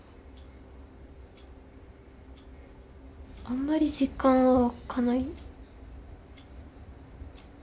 あんまり実感は湧かない。